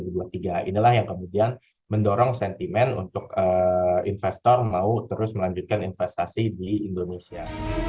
inilah yang kemudian mendorong sentimen untuk investor mau terus melanjutkan investasi di indonesia